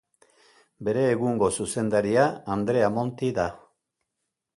Bere egungo zuzendaria Andrea Monti da.